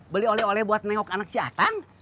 beli oleh oleh buat newok anak si atang